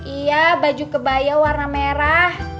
iya baju kebaya warna merah